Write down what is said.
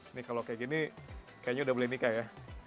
ini kalau kayak gini kayaknya udah boleh nikah ya